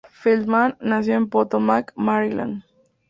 Feldman nació en Potomac, Maryland.